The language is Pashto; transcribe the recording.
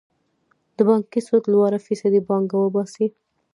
د بانکي سود لوړه فیصدي پانګه وباسي.